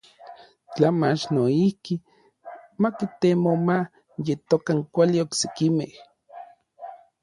Tla mach noijki ma kitemo ma yetokan kuali oksekimej.